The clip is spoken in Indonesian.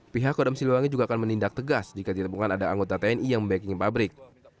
pihak kodam siliwangi juga akan menindak tegas jika ditemukan ada anggota tni yang backing pabrik